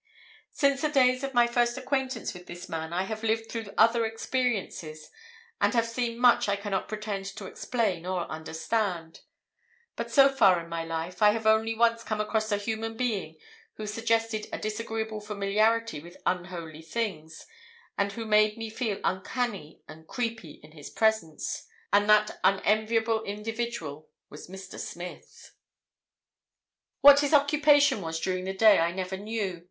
"Since the days of my first acquaintance with this man I have lived through other experiences and have seen much I cannot pretend to explain or understand; but, so far in my life, I have only once come across a human being who suggested a disagreeable familiarity with unholy things, and who made me feel uncanny and 'creepy' in his presence; and that unenviable individual was Mr. Smith. "What his occupation was during the day I never knew.